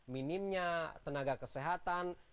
minimnya tenaga kesehatan